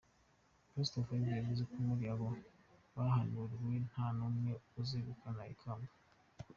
Pastor Fire yavuze ko muri aba bahanuriwe nta n’umwe uzegukana ikamba.